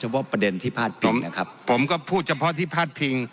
ผมก็พูดเฉพาะที่พาดพิง